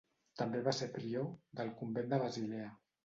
També va ser prior del convent de Basilea.